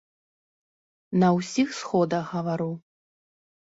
На ўсіх сходах гавару.